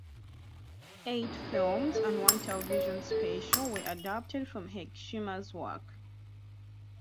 Eight films and one television special were adapted from Hergesheimer's work.